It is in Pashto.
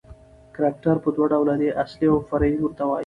کرکټر په دوه ډوله دئ، اصلي اوفرعي ورته وايي.